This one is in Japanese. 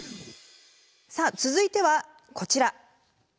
さあ続いてはこちら。